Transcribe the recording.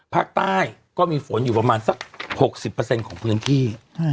ภาคใต้ก็มีฝนอยู่ประมาณสัก๖๐ของพื้นที่